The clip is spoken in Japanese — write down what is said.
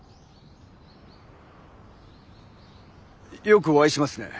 よくお会いしますね。